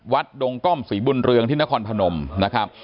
ดงก้อมศรีบุญเรืองที่นครพนมนะครับ